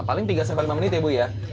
paling tiga sampai lima menit ya bu ya